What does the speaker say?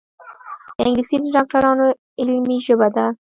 انګلیسي د ډاکټرانو علمي ژبه ده